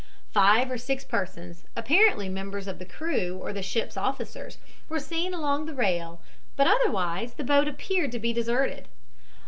Five or six persons, apparently members of the crew or the ship's officers, were seen along the rail; but otherwise the boat appeared to be deserted.